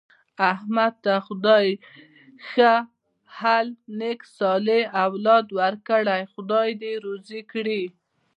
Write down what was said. احمد ته خدای ښه حل نېک صالح اولاد ورکړی، خدای یې دې روزي کړي.